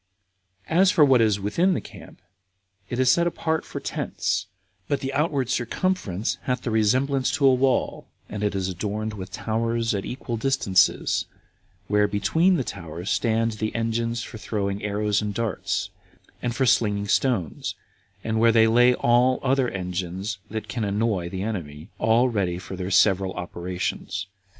3 2. As for what is within the camp, it is set apart for tents, but the outward circumference hath the resemblance to a wall, and is adorned with towers at equal distances, where between the towers stand the engines for throwing arrows and darts, and for slinging stones, and where they lay all other engines that can annoy the enemy, all ready for their several operations.